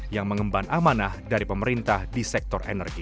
yang mengemban amanah dari pemerintah di sektor energi